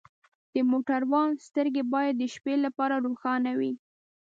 د موټروان سترګې باید د شپې لپاره روښانه وي.